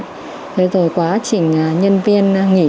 thế rồi quá trình nhân viên nghỉ